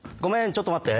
ちょっと待って。